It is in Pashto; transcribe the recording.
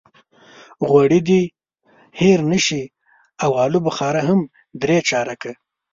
غوړي دې هېر نه شي او الوبخارا هم درې چارکه.